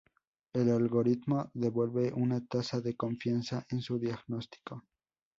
El algoritmo devuelve una tasa de confianza en su diagnóstico.